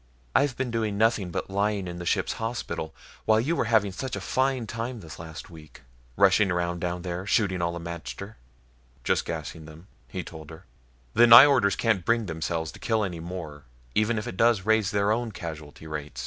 "I've been doing nothing but lying in the ship's hospital, while you were having such a fine time this last week. Rushing around down there shooting all the magter." "Just gassing them," he told her. "The Nyjorders can't bring themselves to kill any more, even if it does raise their own casualty rate.